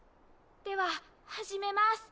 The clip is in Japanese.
では始めます。